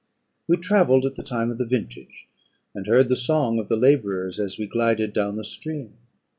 We travelled at the time of the vintage, and heard the song of the labourers, as we glided down the stream.